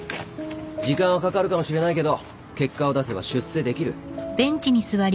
時間はかかるかもしれないけど結果を出せば出世できる。